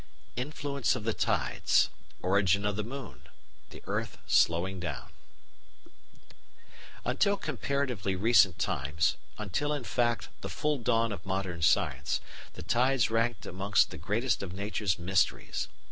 INFLUENCE OF THE TIDES: ORIGIN OF THE MOON: THE EARTH SLOWING DOWN § 16 Until comparatively recent times, until, in fact, the full dawn of modern science, the tides ranked amongst the greatest of nature's mysteries.